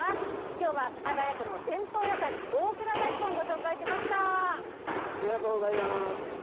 きょうは世田谷区の伝統野菜、大蔵大根、ご紹介しました。